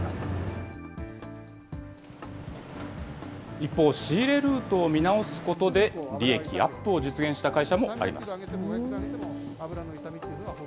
一方、仕入れルートを見直すことで、利益アップを実現した会社もあります。